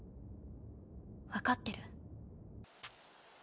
分かってる。